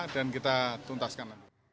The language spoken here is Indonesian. dan kita tuntaskan